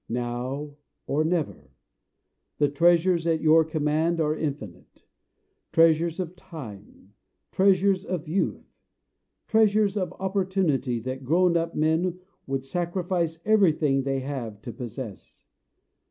Now, or Never. The treasures at your command are infinite. Treasures of time treasures of youth treasures of opportunity that grown up men would sacrifice everything they have to possess.